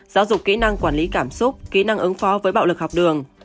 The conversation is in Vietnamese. giáo dục kỹ năng quản lý cảm xúc kỹ năng ứng phó với bạo lực học đường